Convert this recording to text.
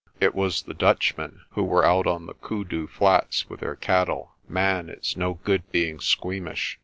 "It was the Dutchmen, who were out on the Koodoo Flats with their cattle. Man, it's no good being squeamish.